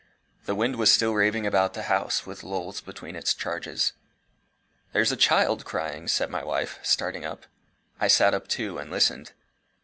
The wind was still raving about the house, with lulls between its charges. "There's a child crying!" said my wife, starting up. I sat up too, and listened.